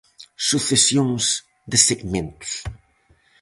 Sucesións de segmentos.